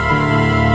ayo ibu terus ibu